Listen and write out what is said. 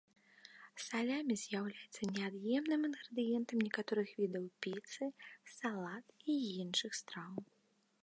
Салямі з'яўляецца неад'емным інгрэдыентам некаторых відаў піцы, салат і іншых страў.